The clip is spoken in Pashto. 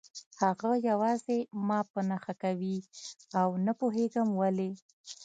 هغه یوازې ما په نښه کوي او نه پوهېدم ولې